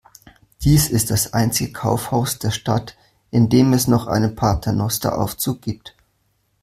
Dies ist das einzige Kaufhaus der Stadt, in dem es noch einen Paternosteraufzug gibt.